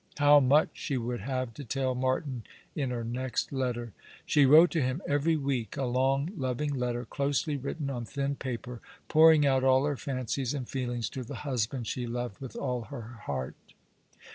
How much she would haye to tell Martin in her next letter ! She wrote to him every week — a long, loving letter, closely written on thin' paper, pouring out all her fancies and feel ings to the husband she loved with all her heart.